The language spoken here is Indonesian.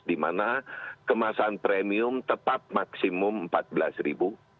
di mana kemasan premium tepat maksimum rp empat belas